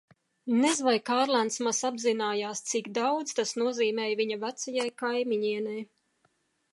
Nez vai Kārlēns maz apzinājās, cik daudz tas nozīmēja viņa vecajai kaimiņienei.